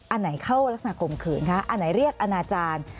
อันไหนเข้ารักษณข่มขืนคะอันไหนเรียกอนาจารย์